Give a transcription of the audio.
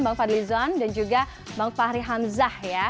bang fadlizon dan juga bang fahri hamzah ya